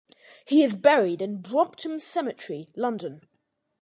He is buried in Brompton Cemetery, London.